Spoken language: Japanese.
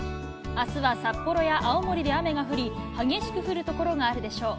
あすは札幌や青森で雨が降り、激しく降る所があるでしょう。